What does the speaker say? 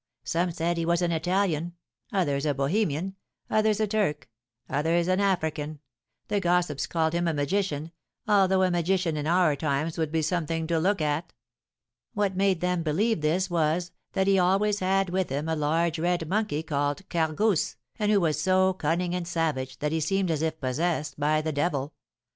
Some said he was an Italian, others a Bohemian, others a Turk, others an African; the gossips called him a magician, although a magician in our times would be something to look at. What made them believe this was, that he always had with him a large red monkey called Gargousse, and who was so cunning and savage that he seemed as if possessed by the devil.